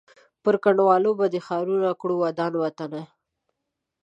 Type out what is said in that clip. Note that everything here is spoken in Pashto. پر کنډوالو به دي ښارونه کړو ودان وطنه